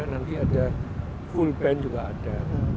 nanti ada full band juga ada